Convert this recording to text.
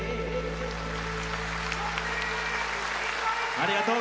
ありがとう